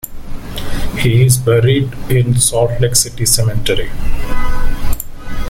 He is buried in Salt Lake City Cemetery.